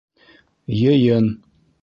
Йыйын!